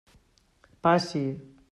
Passi.